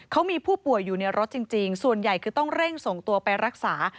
เขามีผู้ป่วยอยู่ในรถจริงส่วนใหญ่คือต้องเร่งส่งตัวไปรักษา